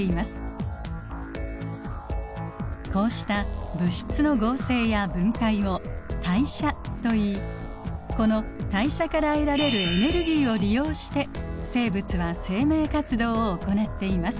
こうした物質の合成や分解を代謝といいこの代謝から得られるエネルギーを利用して生物は生命活動を行っています。